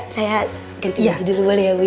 saya ganti baju dulu dulu ya bu